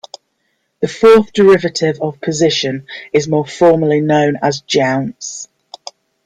The fourth derivative of position is more formally known as jounce.